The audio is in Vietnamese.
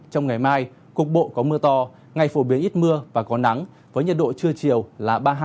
trong ngày mai cục bộ có mưa to ngày phổ biến ít mưa và có nắng với nhiệt độ trưa chiều là ba mươi hai